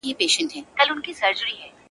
نارنج ګل مي پر زړه اوري انارګل مي را یادیږي -